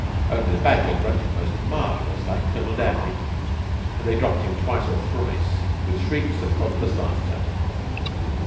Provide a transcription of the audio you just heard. Only the badger grunted most marvelous like Colonel Dabney, and they dropped him twice or thrice with shrieks of helpless laughter.